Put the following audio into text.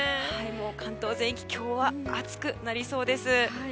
関東全域今日は暑くなりそうです。